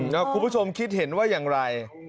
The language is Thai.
แล้วคุณผู้ชมคิดเห็นว่าอย่างไร